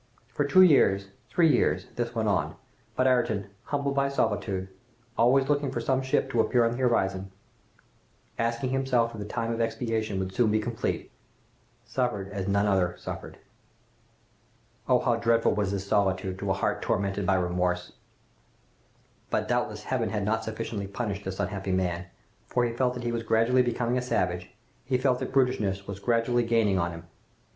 For two years, three years, this went on, but Ayrton, humbled by solitude, always looking for some ship to appear on the horizon, asking himself if the time of expiation would soon be complete, suffered as none other suffered! Oh! how dreadful was this solitude, to a heart tormented by remorse! "But doubtless Heaven had not sufficiently punished this unhappy man, for he felt that he was gradually becoming a savage! He felt that brutishness was gradually gaining on him!